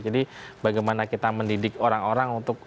jadi bagaimana kita mendidik orang orang untuk paham